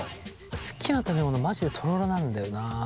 好きな食べ物マジでとろろなんだよなあ。